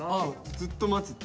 ずっと待つって。